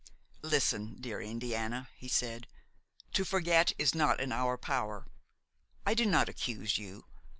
"Listen, dear Indiana," he said; "to forget is not in our power; I do not accuse you!